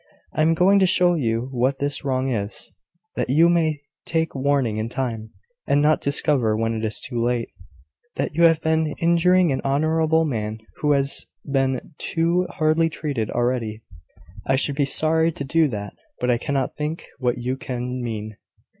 I am going to show you what this wrong is, that you may take warning in time, and not discover, when it is too late, that you have been injuring an honourable man, who has been too hardly treated already." "I should be sorry to do that: but I cannot think what you can mean."